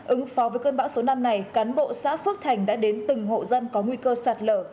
ứng phó với cơn bão số năm này cán bộ xã phước thành đã đến từng hộ dân có nguy cơ sạt lở